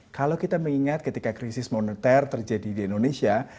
kalau kita mengingat ketika krisis moneter terjadi di indonesia